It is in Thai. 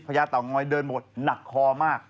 ญาเต่างอยเดินหมดหนักคอมาก